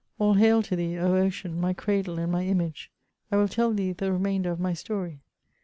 All hail to thee, O Ocean, my cradle and my image ! I will tell thee the remainder of my story.